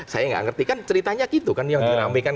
saya nggak ngerti kan ceritanya gitu kan yang diramekan